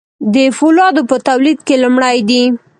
د فولادو په تولید کې لومړی دي.